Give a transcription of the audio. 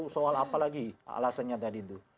soal apa lagi alasannya tadi itu